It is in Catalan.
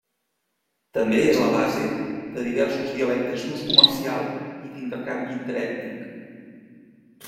També és la base de diversos dialectes d'ús comercial i d'intercanvi interètnic.